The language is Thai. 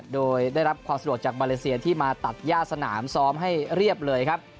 โดยได้รับความสะดวกจากมาเลเซียที่มาตัดย่าสนามซ้อมให้เรียบเลยครับ